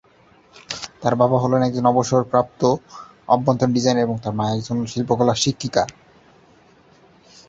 তার বাবা হলেন একজন অবসরপ্রাপ্ত অভ্যন্তরীণ ডিজাইনার এবং তার মা একজন শিল্পকলার শিক্ষিকা।